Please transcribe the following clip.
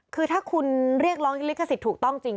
คือถ้าคุณเรียกร้องลิขสิทธิ์ถูกต้องจริง